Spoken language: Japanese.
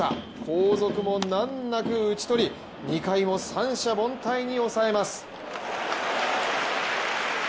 後続も難なく、打ち取り２回も三者凡退に抑えます。